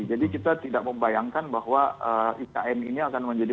jadi kita tidak membayangkan bahwa ikn ini akan menjadi